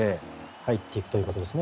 入っていくということですね。